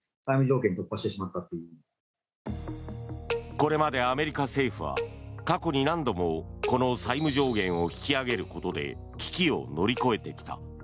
これまでアメリカ政府は過去に何度もこの債務上限を引き上げることで危機を乗り越えてきた。